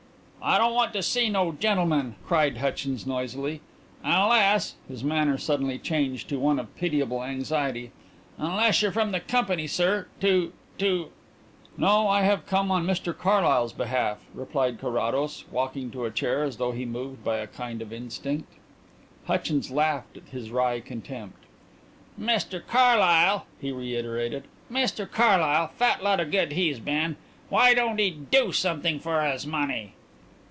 "I don't want to see no gentleman," cried Hutchins noisily. "Unless" his manner suddenly changed to one of pitiable anxiety "unless you're from the Company, sir, to to " "No; I have come on Mr Carlyle's behalf," replied Carrados, walking to a chair as though he moved by a kind of instinct. Hutchins laughed his wry contempt. "Mr Carlyle!" he reiterated; "Mr Carlyle! Fat lot of good he's been. Why don't he do something for his money?"